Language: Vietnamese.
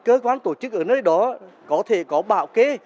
cơ quan tổ chức ở nơi đó có thể có bạo kê